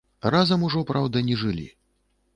Разам ужо, праўда, не жылі.